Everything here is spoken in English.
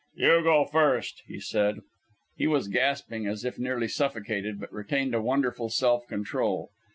"You go first," he said. He was gasping, as if nearly suffocated, but retained a wonderful self control.